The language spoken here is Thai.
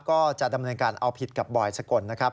ก็จะดำเนินการเอาผิดกับบอยสกลนะครับ